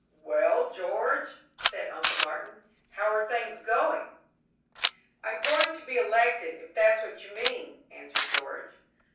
"Well, George," said Uncle Martin, "how are things going?" "I'm going to be elected, if that's what you mean," answered George.